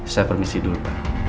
saya permisi dulu pak